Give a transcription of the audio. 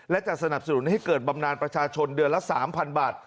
และจะสนับสนุนให้เกิดบำนานประชาชนเดือนละ๓๐๐บาท